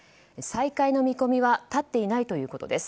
再開の見込みは立っていないということです。